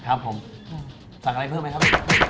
ครับผมสั่งอะไรเพิ่มไหมครับ